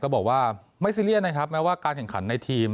บอกว่าไม่ซีเรียสนะครับแม้ว่าการแข่งขันในทีม